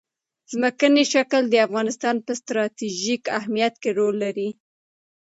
ځمکنی شکل د افغانستان په ستراتیژیک اهمیت کې رول لري.